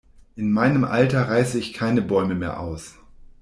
In meinem Alter reiße ich keine Bäume mehr aus.